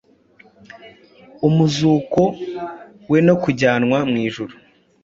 umuzuko we no kujyanwa mu ijuru,